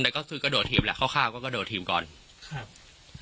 แต่ก็คือกระโดดถีบแหละคร่าวก็กระโดดถีบก่อนครับ